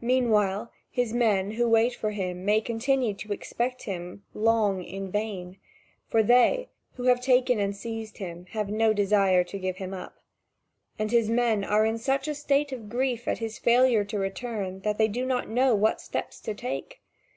Meanwhile his men who wait for him may continue to expect him long in vain, for they, who have taken and seized him, have no desire to give him up. And his men are in such a state of grief at his failure to return that they do not know what steps to take.